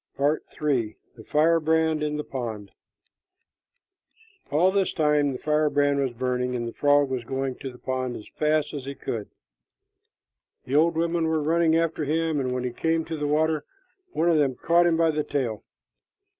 PART III. THE FIREBRAND IN THE POND. All this time the firebrand was burning, and the frog was going to the pond as fast as he could. The old women were running after him, and when he came to the water, one of them caught him by the tail.